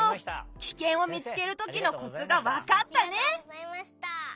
キケンを見つけるときのコツが分かったね！